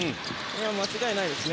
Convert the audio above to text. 間違いないですね。